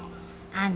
あの。